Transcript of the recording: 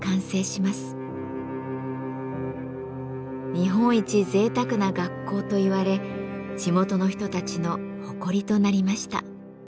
日本一ぜいたくな学校と言われ地元の人たちの誇りとなりました。